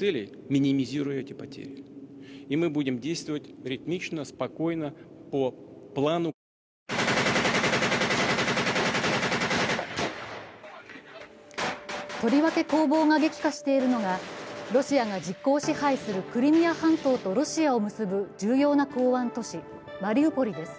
とりわけ攻防が激化しているのは、ロシアが実効支配するクリミア半島とロシアを結ぶ重要な港湾都市・マリウポリです。